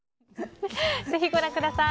ぜひご覧ください。